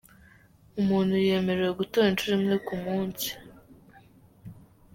Umuntu yemerewe gutora inshuro imwe ku munsi.